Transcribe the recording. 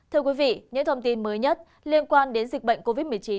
thưa quý vị những thông tin mới nhất liên quan đến dịch bệnh covid một mươi chín